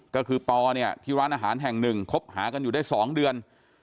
ก็คือปอเนี่ยที่ร้านอาหารแห่งหนึ่งคบหากันอยู่ได้๒เดือน